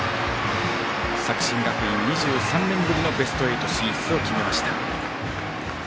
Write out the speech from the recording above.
作新学院、２３年ぶりのベスト８進出を決めました。